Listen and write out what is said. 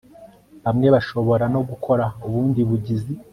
bamwe bashobora no gukora ubundi bugizi